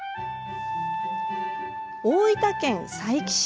大分県佐伯市。